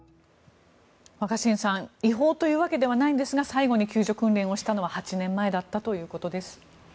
若新さん違法というわけではないんですが最後に救助訓練をしたのは８年前だったということです。